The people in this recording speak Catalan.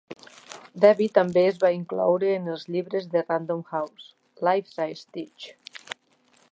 Debi també es va incloure en els llibres de Random House "Life's a Stitch".